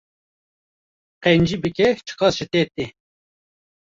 Qencî bike çi qas ji te tê